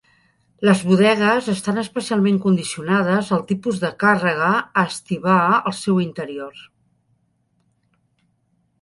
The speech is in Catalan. Les bodegues estan especialment condicionades al tipus de càrrega a estibar al seu interior.